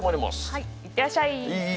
はい行ってらっしゃい。